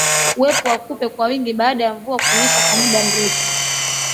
Uwepo wa kupe kwa wingi baada ya mvua kunyesha kwa muda mrefu